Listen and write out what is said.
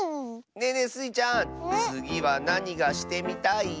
ねえねえスイちゃんつぎはなにがしてみたい？